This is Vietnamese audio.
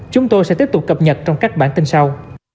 chúng tôi sẽ tiếp tục cập nhật trong các bản tin sau